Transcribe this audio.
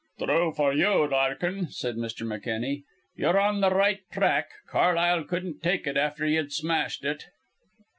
'" "True for you, Larkin," said Mr. McKenna. "You're on the right track. Carlisle couldn't take it after you'd smashed it."